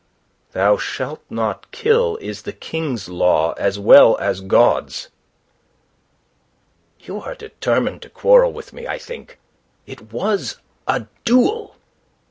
"'Thou shalt not kill,' is the King's law as well as God's." "You are determined to quarrel with me, I think. It was a duel..."